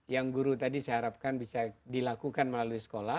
yang guru tadi saya harapkan bisa dilakukan melalui sekolah